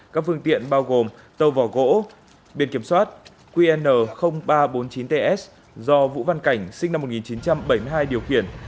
các phương tiện bao gồm tàu vỏ gỗ biển kiểm soát qn ba trăm bốn mươi chín ts do vũ văn cảnh sinh năm một nghìn chín trăm bảy mươi hai điều khiển